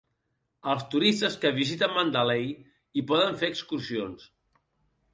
Els turistes que visiten Mandalay hi poden fer excursions.